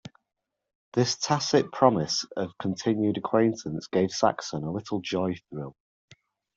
This tacit promise of continued acquaintance gave Saxon a little joy-thrill.